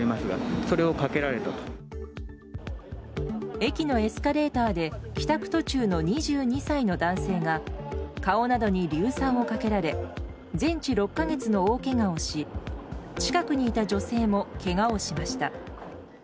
駅のエスカレーターで帰宅途中の２２歳の男性が顔などに硫酸をかけられ全治６か月の大けがをし近くにいた女性もけがをしました。